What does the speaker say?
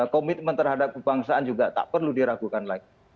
komitmen terhadap kebangsaan juga tak perlu diragukan lagi